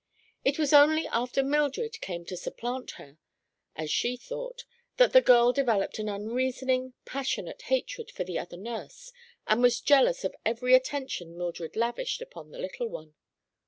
It was only after Mildred came to supplant her, as she thought, that the girl developed an unreasoning, passionate hatred for the other nurse and was jealous of every attention Mildred lavished upon the little one.